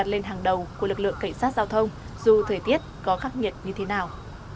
lên hàng đầu của lực lượng cảnh sát giao thông dù thời tiết có khắc nghiệt như thế nào